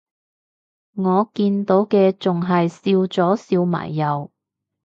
我見到嘅仲係笑咗笑埋右